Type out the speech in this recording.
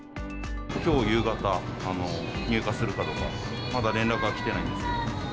きょう夕方、入荷するかどうか、まだ連絡が来てないんですよね。